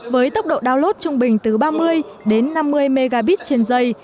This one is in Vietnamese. với tốc độ download trung bình từ ba mươi đến năm mươi megabit trên dây